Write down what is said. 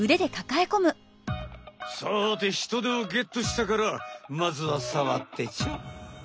さてヒトデをゲットしたからまずはさわってちょ。